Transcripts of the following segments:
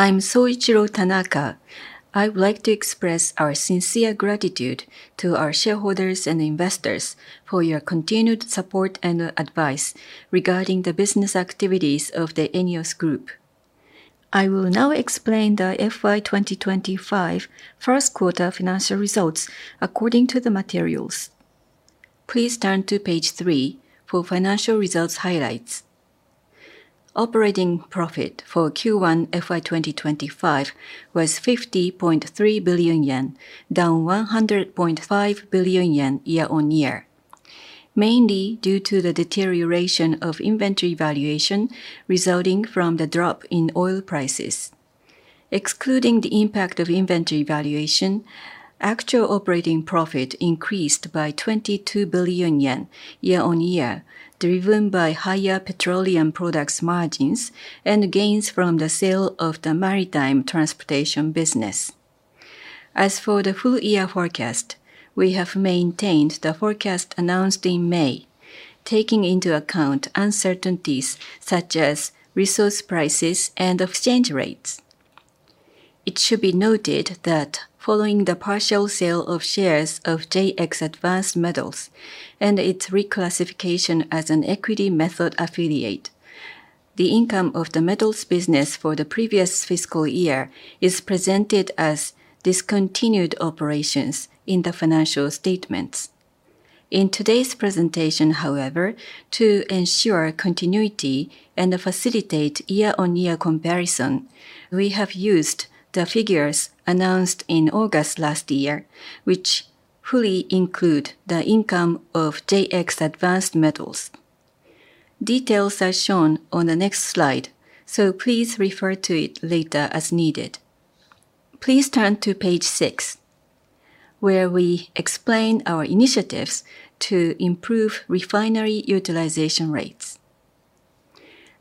I'm Soichiro Tanaka. I would like to express our sincere gratitude to our shareholders and investors for your continued support and advice regarding the business activities of the ENEOS Group. I will now explain the FY 2025 first quarter financial results according to the materials. Please turn to page 3 for financial results highlights. Operating profit for Q1 FY 2025 was 50.3 billion yen, down 100.5 billion yen year-on-year, mainly due to the deterioration of inventory valuation resulting from the drop in oil prices. Excluding the impact of inventory valuation, actual operating profit increased by 22 billion yen year-on-year, driven by higher petroleum product margins and gains from the sale of the maritime transportation business. As for the full-year forecast, we have maintained the forecast announced in May, taking into account uncertainties such as resource prices and exchange rates. It should be noted that following the partial sale of shares of JX Advanced Metals Corporation and its reclassification as an equity method affiliate, the income of the metals business for the previous fiscal year is presented as "discontinued operations" in the financial statements. In today's presentation, however, to ensure continuity and facilitate year-on-year comparison, we have used the figures announced in August last year, which fully include the income of JX Advanced Metals Corporation. Details are shown on the next slide, so please refer to it later as needed. Please turn to page 6, where we explain our initiatives to improve refinery utilization rates.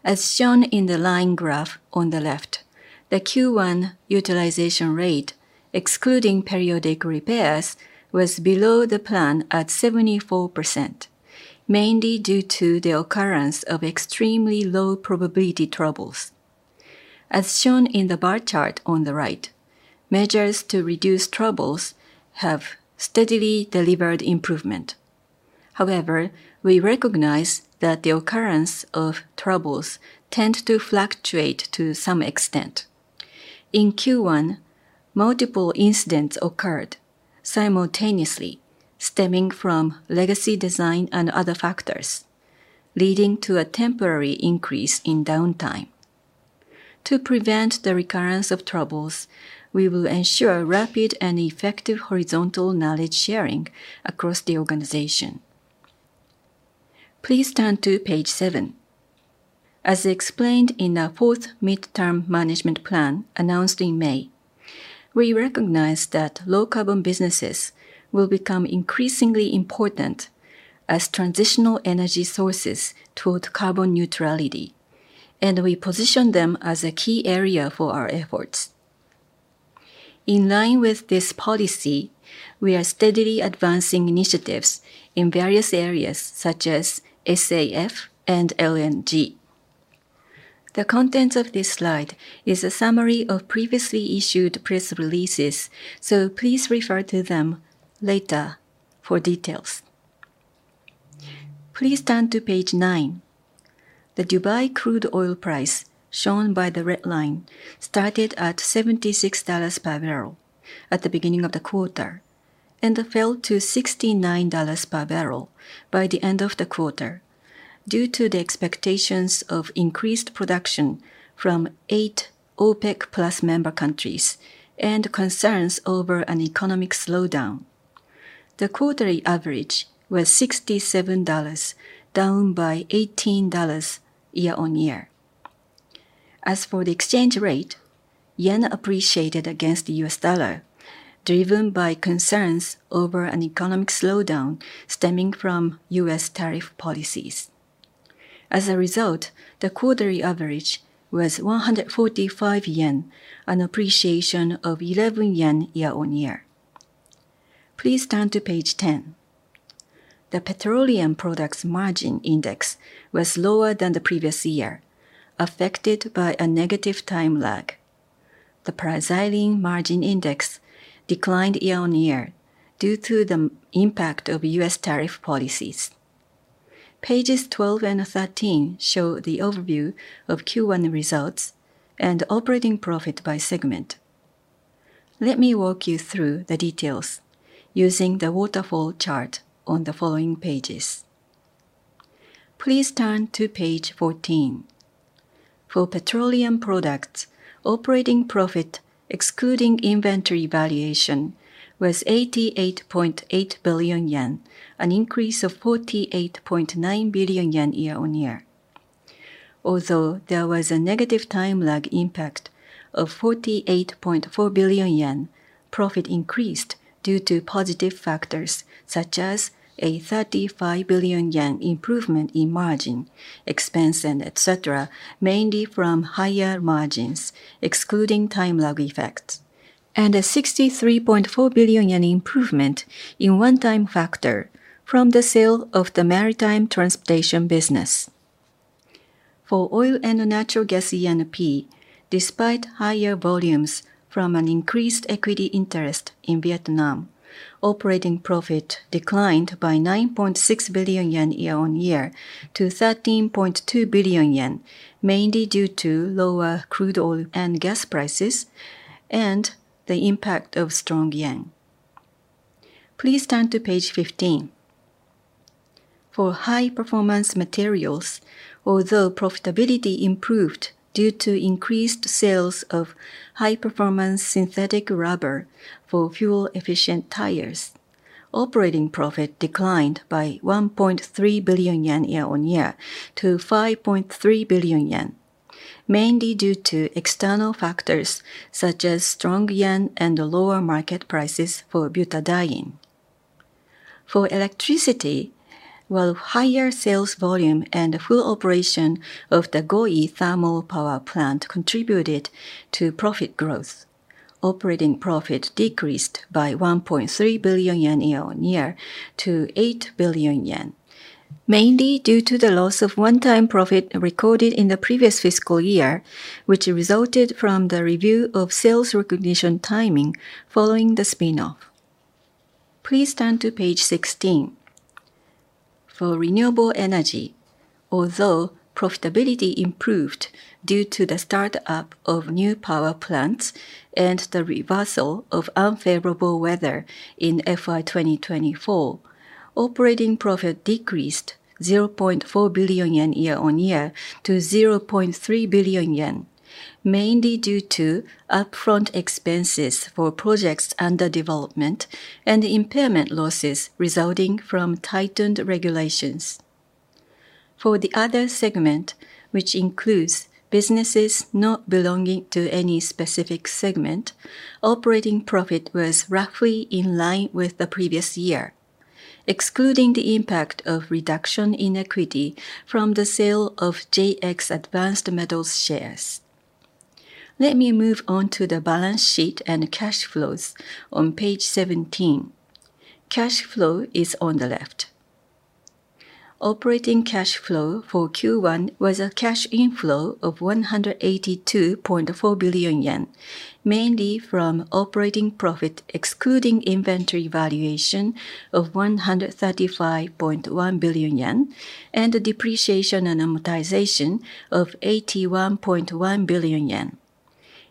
As shown in the line graph on the left, the Q1 utilization rate, excluding periodic repairs, was below the plan at 74%, mainly due to the occurrence of extremely low probability troubles. As shown in the bar chart on the right, measures to reduce troubles have steadily delivered improvement. However, we recognize that the occurrence of troubles tends to fluctuate to some extent. In Q1, multiple incidents occurred simultaneously, stemming from legacy design and other factors, leading to a temporary increase in downtime. To prevent the recurrence of troubles, we will ensure rapid and effective horizontal knowledge sharing across the organization. Please turn to page 7. As explained in our fourth mid-term management plan announced in May, we recognize that low-carbon businesses will become increasingly important as transitional energy sources toward carbon neutrality, and we position them as a key area for our efforts. In line with this policy, we are steadily advancing initiatives in various areas such as SAF and LNG. The content of this slide is a summary of previously issued press releases, so please refer to them later for details. Please turn to page 9. The Dubai crude oil price, shown by the red line, started at $76/barrel at the beginning of the quarter and fell to $69/barrel by the end of the quarter due to the expectations of increased production from eight OPEC+ member countries and concerns over an economic slowdown. The quarterly average was $67, down by $18 year-on-year. As for the exchange rate, yen appreciated against the U.S. dollar, driven by concerns over an economic slowdown stemming from U.S. tariff policies. As a result, the quarterly average was 145 yen, an appreciation of 11 yen year-on-year. Please turn to page 10. The Petroleum Products Margin Index was lower than the previous year, affected by a negative time lag. The Paraziling Margin Index declined year-on-year due to the impact of U.S. tariff policies. Pages 12 and 13 show the overview of Q1 results and operating profit by segment. Let me walk you through the details using the waterfall chart on the following pages. Please turn to page 14. For petroleum products, operating profit excluding inventory valuation was 88.8 billion yen, an increase of 48.9 billion yen year-on-year. Although there was a negative time lag impact of 48.4 billion yen, profit increased due to positive factors such as a 35 billion yen improvement in margin, expense, and etc., mainly from higher margins excluding time lag effects, and a 63.4 billion yen improvement in one-time factor from the sale of the maritime transportation business. For oil and natural gas exploration and production, despite higher volumes from an increased equity interest in Vietnam, operating profit declined by 9.6 billion yen year-on-year to 13.2 billion yen, mainly due to lower crude oil and gas prices and the impact of strong yen. Please turn to page 15. For high performance materials, although profitability improved due to increased sales of high performance synthetic rubber for fuel-efficient tires, operating profit declined by 1.3 billion yen year-on-year to 5.3 billion yen, mainly due to external factors such as strong yen and lower market prices for butadiene. For electricity, while higher sales volume and full operation of the GOIE thermal power plant contributed to profit growth, operating profit decreased by 1.3 billion yen year-on-year to 8 billion yen, mainly due to the loss of one-time profit recorded in the previous fiscal year, which resulted from the review of sales recognition timing following the spin-off. Please turn to page 16. For renewable energy, although profitability improved due to the startup of new power plants and the reversal of unfavorable weather in FY 2024, operating profit decreased 0.4 billion yen year-on-year to 0.3 billion yen, mainly due to upfront expenses for projects under development and impairment losses resulting from tightened regulations. For the other segment, which includes businesses not belonging to any specific segment, operating profit was roughly in line with the previous year, excluding the impact of reduction in equity from the sale of JX Advanced Metals shares. Let me move on to the balance sheet and cash flows on page 17. Cash flow is on the left. Operating cash flow for Q1 was a cash inflow of 182.4 billion yen, mainly from operating profit excluding inventory valuation of 135.1 billion yen and depreciation and amortization of 81.1 billion yen.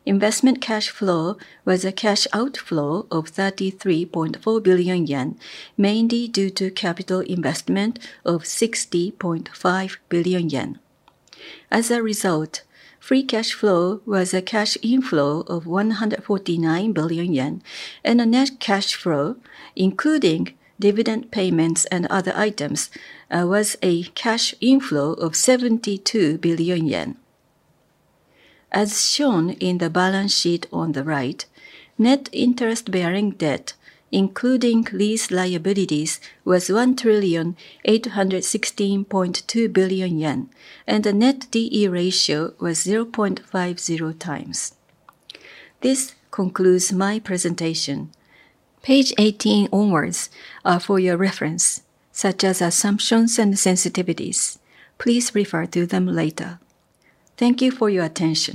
Investment cash flow was a cash outflow of 33.4 billion yen, mainly due to capital investment of 60.5 billion yen. As a result, free cash flow was a cash inflow of 149 billion yen, and the net cash flow, including dividend payments and other items, was a cash inflow of 72 billion yen. As shown in the balance sheet on the right, net interest-bearing debt, including lease liabilities, was 1,816.2 billion yen, and the net D/E ratio was 0.50x. This concludes my presentation. Page 18 onwards are for your reference, such as assumptions and sensitivities. Please refer to them later. Thank you for your attention.